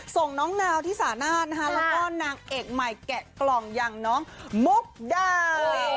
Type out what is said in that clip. ส่งน้องนาวที่สานาศแล้วก็นางเอกใหม่แกะกล่องอย่างน้องมุกดา